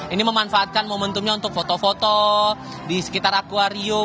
ini memanfaatkan momentumnya untuk foto foto di sekitar aquarium